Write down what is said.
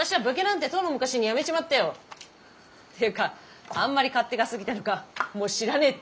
っていうかあんまり勝手がすぎたのかもう知らねえって追い出されちまった。